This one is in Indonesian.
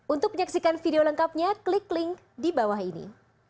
untuk menyaksikan video lengkapnya klik link di bawah ini